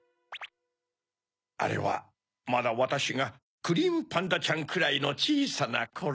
あれはまだわたしがクリームパンダちゃんくらいのちいさなころ。